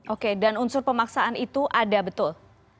oke dan unsur pemaksaan itu ada betul